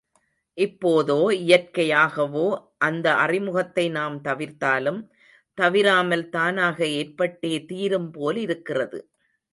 இப்போதோ இயற்கையாகவோ அந்த அறிமுகத்தை நாம் தவிர்த்தாலும், தவிராமல் தானாக ஏற்பட்டே தீரும் போலிருக்கிறது.